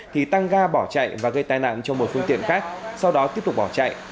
thì tăng ga bỏ chạy và gây tai nạn cho một phương tiện khác sau đó tiếp tục bỏ chạy